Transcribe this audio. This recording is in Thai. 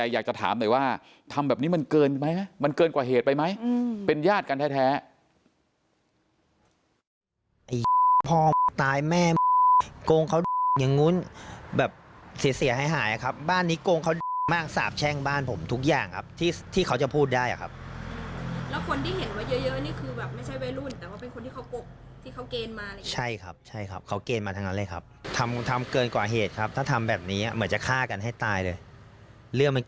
อยากจะถามหน่อยว่าทำแบบนี้มันเกินไปไหมมันเกินกว่าเหตุไปไหมเป็นญาติกันแท้